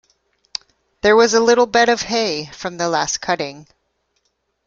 There was a little bed of hay from the last cutting.